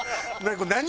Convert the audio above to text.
何？